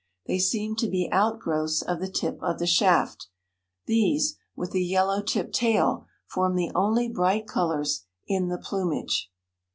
They seem to be outgrowths of the tip of the shaft. These, with the yellow tipped tail, form the only bright colors in the plumage.